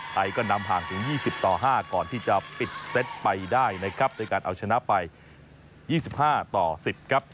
ไทยก็นำห่างถึง๒๐ต่อ๕ก่อนที่จะปิดเซตไปได้นะครับโดยการเอาชนะไป๒๕ต่อ๑๐ครับ